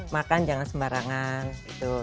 makan jangan sembarangan gitu